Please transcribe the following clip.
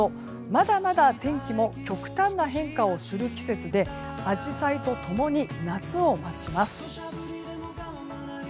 まだまだ天気も極端な変化をする季節でアジサイと共に夏を待ちます。